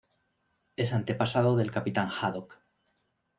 Es antepasado del Capitán Haddock.